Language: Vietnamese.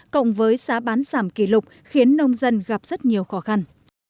cộng với giá bán giảm kỷ lục khiến nông dân gặp rất nhiều khó khăn